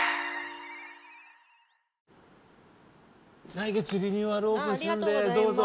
来月リニューアルオープンするんでどうぞ。